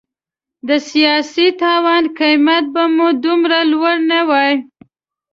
د سیاسي تاوان قیمت به مو دومره لوړ نه وای.